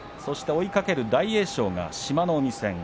追いかける大栄翔が志摩ノ海戦。